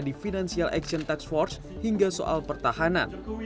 di financial action tax force hingga soal pertahanan